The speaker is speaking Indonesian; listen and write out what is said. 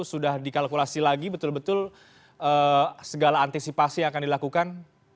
sudah dikalkulasi lagi betul betul segala antisipasi yang akan dilakukan